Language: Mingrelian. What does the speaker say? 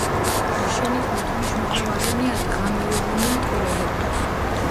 იშენით მუთუნიშ მოღე ვარენია, დღა მეუღუნია ტყურელო.